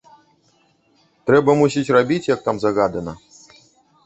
Трэба, мусіць, рабіць, як там загадана.